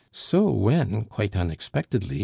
So when, quite unexpectedly, M.